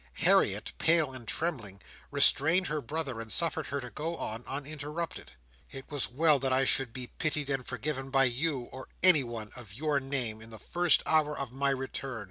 Harriet, pale and trembling, restrained her brother, and suffered her to go on uninterrupted. "It was well that I should be pitied and forgiven by you, or anyone of your name, in the first hour of my return!